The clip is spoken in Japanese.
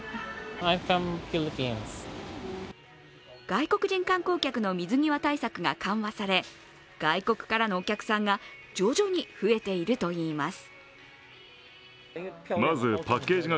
外国人観光客の水際対策が緩和され外国からのお客さんが徐々に増えているといいます。